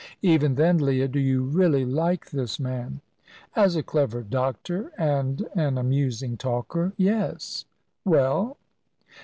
"Even then, Leah, do you really like this man?" "As a clever doctor and an amusing talker yes. Well?"